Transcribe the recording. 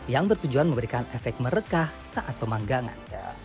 yang bertujuan memberikan efek mereka saat pemanggangan